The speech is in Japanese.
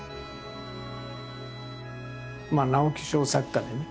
直木賞作家でね